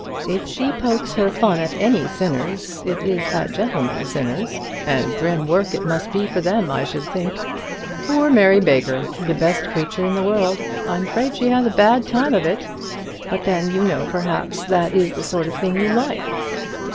If she pokes her fun at any sinners, it is at gentlemen sinners; and grim work it must be for them, I should think. Poor Mary Baker! the best creature in the world. I'm afraid she has a bad time of it. But then, you know, perhaps that is the sort of thing you like."